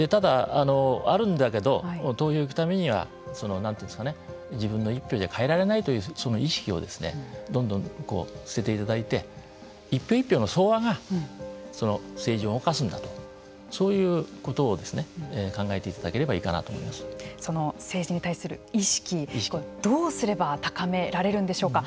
あるんだけど投票に行くためには自分の１票じゃ変えられないという意識をどんどん捨てていただいて一票一票の総和が政治を動かすんだとそういうことを考えていただければいいかなと政治に対する意識どうすれば高められるんでしょうか。